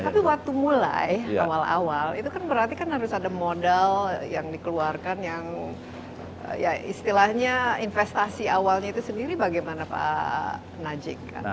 tapi waktu mulai awal awal itu kan berarti kan harus ada modal yang dikeluarkan yang ya istilahnya investasi awalnya itu sendiri bagaimana pak najik